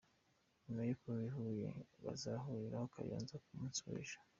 Nyuma yo kuva i Huye, hazakurikiraho Kayonza ku munsi w’ejo